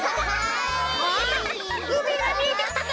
おおうみがみえてきたぞ！